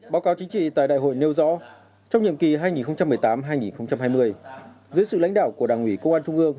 báo cáo chính trị tại đại hội nêu rõ trong nhiệm kỳ hai nghìn một mươi tám hai nghìn hai mươi dưới sự lãnh đạo của đảng ủy công an trung ương